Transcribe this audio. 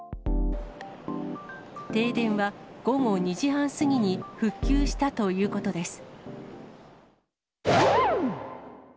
停電は午後２時半過ぎに復旧したということです。